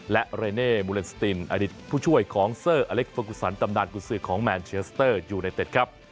และเรเน่มูลเลนสตินอดีตผู้ช่วยของเซอร์อเล็กเฟอร์กุสันตำนานกุศือของแมนเชลสเตอร์ยูไนเต็ดครับ